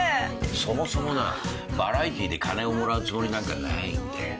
そもそもなバラエティーで金をもらうつもりなんかないんだよ。